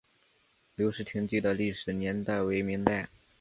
留石亭记的历史年代为明代。